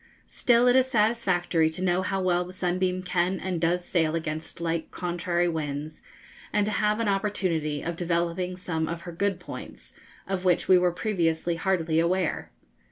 Still it is satisfactory to know how well the 'Sunbeam' can and does sail against light contrary winds, and to have an opportunity of developing some of her good points, of which we were previously hardly aware.